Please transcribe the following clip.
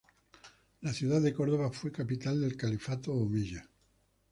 La ciudad de Córdoba fue capital del Califato Omeya.